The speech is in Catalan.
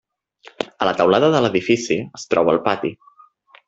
A la teulada de l'edifici es troba el pati.